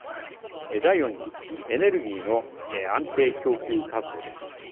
第４に、エネルギーの安定供給確保です。